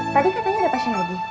tadi katanya ada pasien lagi